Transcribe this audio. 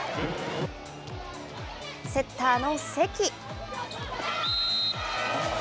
セッターの関。